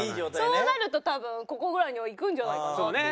そうなると多分ここぐらいにはいくんじゃないかなっていう。